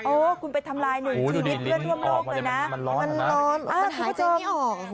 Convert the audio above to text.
คุณไปทำลายหนึ่งชีวิตเพื่อนร่วมโลกเลยนะมันนอนหายใจไม่ออก